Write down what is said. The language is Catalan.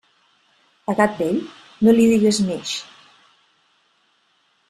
A gat vell, no li digues mix.